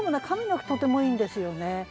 上の句とてもいいんですよね。